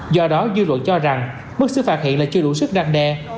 do đó dư luận cho rằng mức sự phạt hiện là chưa đủ sức nặng nề